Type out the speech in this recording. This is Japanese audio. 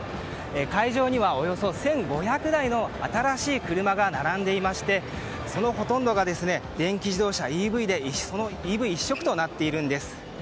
会場には、およそ１５００台の新しい車が並んでいましてそのほとんどが電気自動車・ＥＶで一色となっているんです。